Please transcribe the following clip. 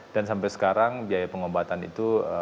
dan sampai sekarang biaya pengobatan itu